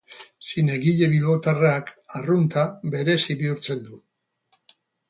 Zinegile bilbotarrak arrunta berezi bihurtzen du.